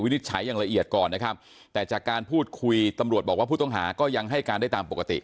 นิจฉัยอย่างละเอียดก่อนนะครับแต่จากการพูดคุยตำรวจบอกว่าผู้ต้องหาก็ยังให้การได้ตามปกติ